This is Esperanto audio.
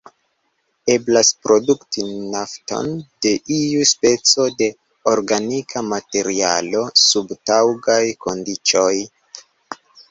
Eblas produkti nafton de iu speco de organika materialo sub taŭgaj kondiĉoj.